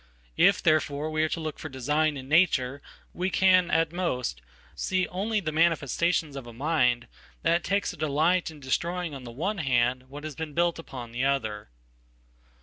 If, therefore, we areto look for design in nature we can, at most, see only themanifestations of a mind that takes a delight in destroying on theone hand what has been built upon the other.